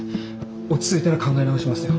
落ち着いたら考え直しますよ。